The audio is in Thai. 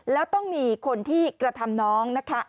และต้องมีคนที่กระทำน้อง